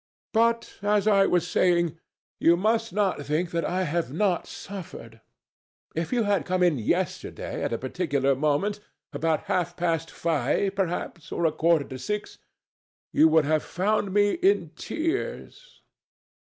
But, as I was saying, you must not think I have not suffered. If you had come in yesterday at a particular moment—about half past five, perhaps, or a quarter to six—you would have found me in tears.